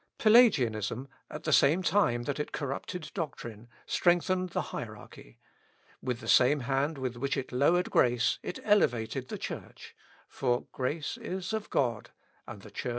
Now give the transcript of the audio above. Pelagianism, at the same time that it corrupted doctrine, strengthened the hierarchy; with the same hand with which it lowered grace it elevated the Church; for grace is of God, and the Church is of man.